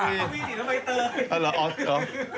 เหมือนสิวีสินละเบยเตอร์